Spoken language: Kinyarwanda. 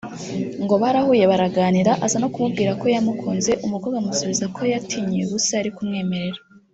ngo barahuye baraganira aza no kumubwira ko yamukunze umukobwa amusubiza ko yatinyiye ubusa yari kumwemerera